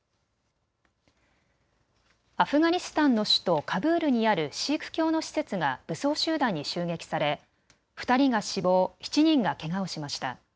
アフガニスタンの首都カブールにあるシーク教の施設が武装集団に襲撃され２人が死亡、７人がけがをしました。